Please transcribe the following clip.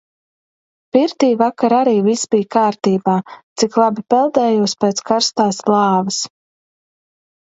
Pirtī vakar arī viss bija kārtībā, cik labi peldējos pēc karstās lāvas.